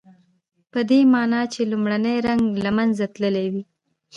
پدې معنی چې لومړنی رنګ له منځه تللی وي.